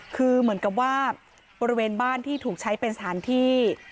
คือเหมือนกับว่าบริเวณบ้านที่ถูกใช้เป็นสถานที่